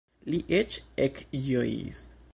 Li eĉ ekĝojis.